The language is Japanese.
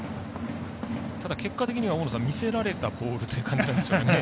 ただ、結果的には見せられたボールなんでしょうね。